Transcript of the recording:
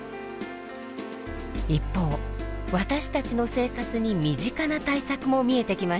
一方私たちの生活に身近な対策も見えてきました。